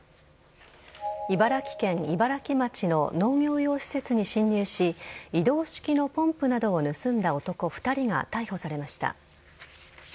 茨城県茨城町の農業用施設に侵入し移動式のポンプなどを盗んだ男２人が逮捕されました。